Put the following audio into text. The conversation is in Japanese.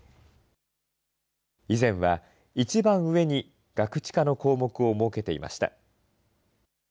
以前は一番上にガクチカの項目を設けていました。